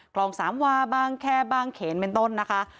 กล่องสามวาบ้างแค่บ้างเขนเป็นต้นนะคะ